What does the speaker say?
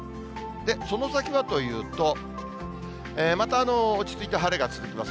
で、その先はというと、また落ち着いた晴れが続きます。